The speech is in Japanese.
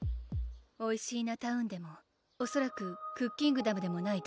おいしーなタウンでもおそらくクッキングダムでもない